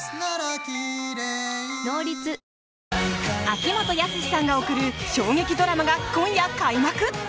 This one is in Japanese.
秋元康さんが送る笑劇ドラマが今夜開幕！